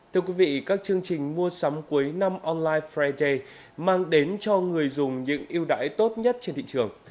thưa quý vị các chương trình mua sắm cuối năm online friday mang đến cho người dùng những yêu đãi tốt nhất trên thị trường